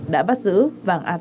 đã bắt giữ vàng a thành